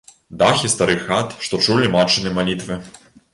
Дахі старых хат, што чулі матчыны малітвы.